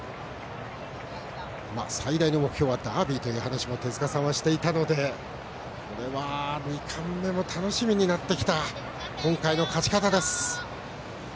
最大の目標はダービーという話も手塚さんはしていたのでこれは二冠目も楽しみになってきた今回の勝ち方です。